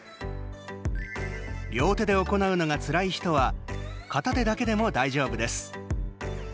両手で行うのがつらい人は片手だけでも大丈夫です。